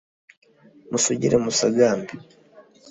Musugire musagambe